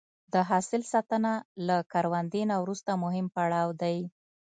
د حاصل ساتنه له کروندې نه وروسته مهم پړاو دی.